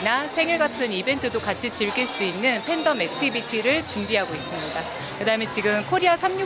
kami juga menyiapkan pandemik yang berlaku di dalam hari hari